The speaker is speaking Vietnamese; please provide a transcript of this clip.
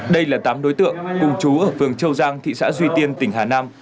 đây là tám đối tượng cùng chú ở phường châu giang thị xã duy tiên tỉnh hà nam